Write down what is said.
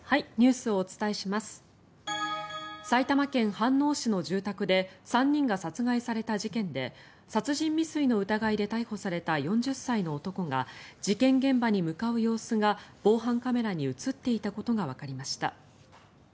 埼玉県飯能市の住宅で３人が殺害された事件で殺人未遂の疑いで逮捕された４０歳の男が事件現場に向かう様子が防犯カメラに映っていたことがわかりました。